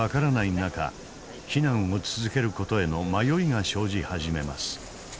中避難を続ける事への迷いが生じ始めます。